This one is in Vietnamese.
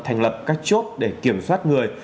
thành lập các chốt để kiểm soát người